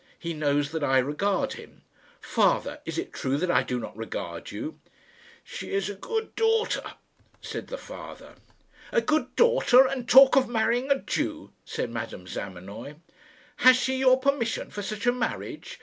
He knows that I regard him. Father, is it true that I do not regard you?" "She is a good daughter," said the father. "A good daughter, and talk of marrying a Jew!" said Madame Zamenoy. "Has she your permission for such a marriage?